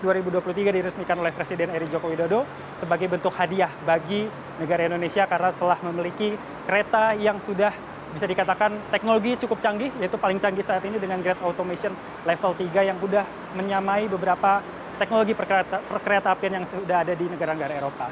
dua ribu dua puluh tiga diresmikan oleh presiden eri joko widodo sebagai bentuk hadiah bagi negara indonesia karena telah memiliki kereta yang sudah bisa dikatakan teknologi cukup canggih yaitu paling canggih saat ini dengan grade automation level tiga yang sudah menyamai beberapa teknologi perkereta apian yang sudah ada di negara negara eropa